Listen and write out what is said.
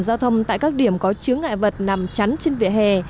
giao thông tại các điểm có chứa ngại vật nằm chắn trên vỉa hè